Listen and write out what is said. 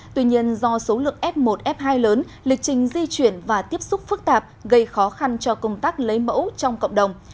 tuy nhiên do số lượng f một f hai lớn lịch trình di chuyển và tiếp xúc phức tạp gây khó khăn cho công tác lấy mẫu trong cộng đồng